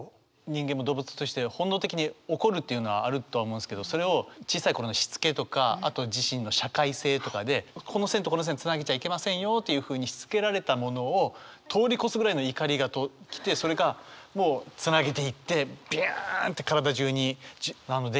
人間も動物として本能的に怒るというのはあるとは思うんですけどそれを小さい頃のしつけとかあとは自身の社会性とかでこの線とこの線をつなげちゃいけませんよというふうにしつけられたものを通り越すぐらいの怒りが来てそれがもうつなげていってびゅんって体じゅうに電気が走っていくっていうのは